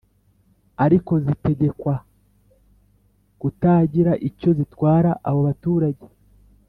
Ariko zitegekwa kutagira icyo zitwara abo baturage